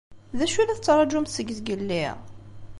D acu i la tettṛaǧumt seg zgelli?